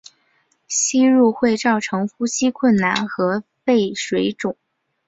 吸入会造成呼吸困难和肺水肿。